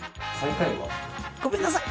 ごめんなさい。